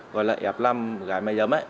gọi là ép làm gái máy dấm